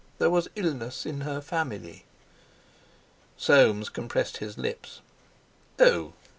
There was illness in her family." Soames compressed his lips. "Oh!"